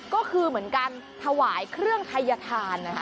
ก็คือเหมือนการถวายเครื่องทัยธานนะคะ